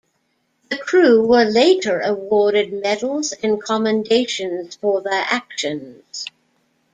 The crew were later awarded medals and commendations for their actions.